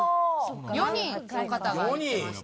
４人の方が挙げてました。